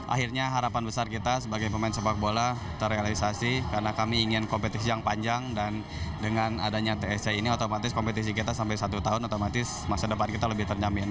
akhirnya harapan besar kita sebagai pemain sepak bola terrealisasi karena kami ingin kompetisi yang panjang dan dengan adanya tsc ini otomatis kompetisi kita sampai satu tahun otomatis masa depan kita lebih terjamin